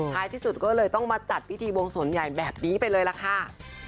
ที่สุดก็เลยต้องมาจัดพิธีบวงสนใหญ่แบบนี้ไปเลยล่ะค่ะ